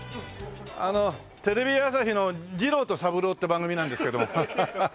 あのテレビ朝日の「ジロウとサブロウ」って番組なんですけど。